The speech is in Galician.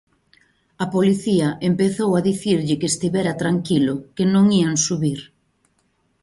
A policía empezou a dicirlle que estivera tranquilo, que non ían subir.